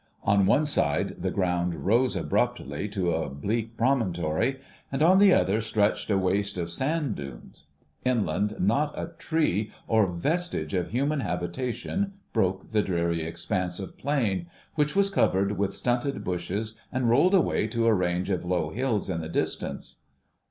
On one side the ground rose abruptly to a bleak promontory, and on the other stretched a waste of sand dunes. Inland not a tree or vestige of human habitation broke the dreary expanse of plain, which was covered with stunted bushes and rolled away to a range of low hills in the distance.